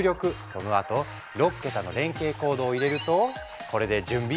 そのあと６桁の連携コードを入れるとこれで準備ＯＫ！